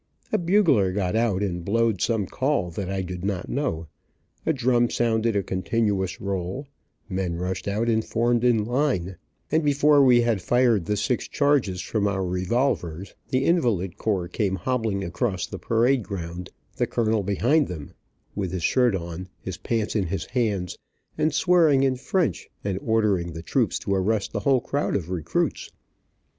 A bugler got out and blowed some call that I did not know, a drum sounded a continuous roll, men rushed out and formed in line, and before we had fired the six charges from our revolvers, the Invalid Corps came hobbling across the parade ground, the colonel behind them with his shirt on, his pants in his hand, and swearing in French, and ordering the troops to arrest the whole crowd of recruits.